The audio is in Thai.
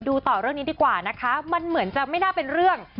ต่อเรื่องนี้ดีกว่านะคะมันเหมือนจะไม่น่าเป็นเรื่อง